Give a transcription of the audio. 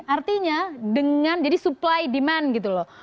artinya dengan jadi supply demand gitu loh